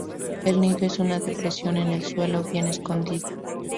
El nido es una depresión en el suelo, bien escondida.